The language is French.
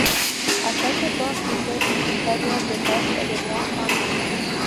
À cette époque y sévit une période de peste et de grande famine.